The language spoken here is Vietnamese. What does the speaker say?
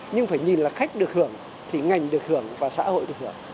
nhưng phải nhìn là khách được hưởng thì ngành được hưởng và xã hội được hưởng